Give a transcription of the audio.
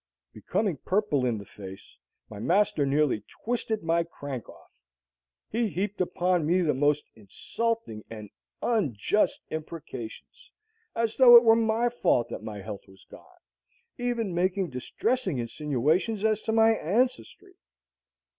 Becoming purple in the face, my master nearly twisted my crank off. He heaped upon me the most insulting and unjust imprecations, as though it were my fault that my health was gone, even making distressing insinuations as to my ancestry.